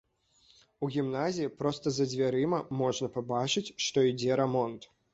У гімназіі проста за дзвярыма можна пабачыць, што ідзе рамонт.